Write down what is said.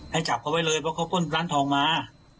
ให้จับเขาไว้เลยเพราะเขาปล้นร้านทองมา